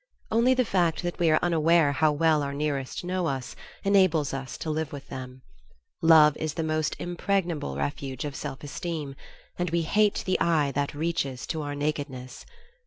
Only the fact that we are unaware how well our nearest know us enables us to live with them. Love is the most impregnable refuge of self esteem, and we hate the eye that reaches to our nakedness.